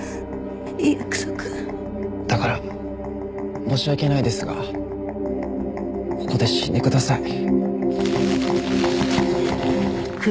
だから申し訳ないですがここで死んでください。